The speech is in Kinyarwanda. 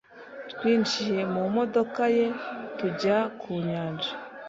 Twinjiye mu modoka ye tujya ku nyanja.